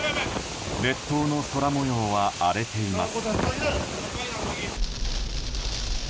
列島の空模様は荒れています。